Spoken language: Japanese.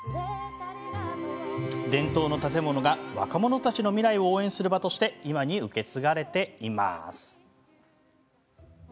伝統の建物が若者たちの未来を応援する場として今に受け継がれています。